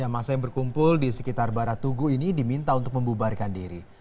masa yang berkumpul di sekitar barat tugu ini diminta untuk membubarkan diri